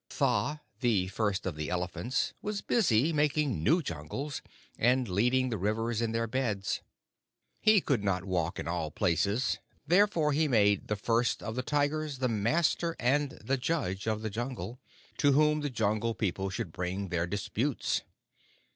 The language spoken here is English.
Tha, the First of the Elephants, was busy making new jungles and leading the rivers in their beds. He could not walk in all places: therefore he made the First of the Tigers the master and the judge of the Jungle, to whom the Jungle People should bring their disputes.